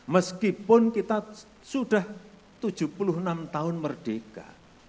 meskipun kita sudah tujuh puluh enam tahun merdeka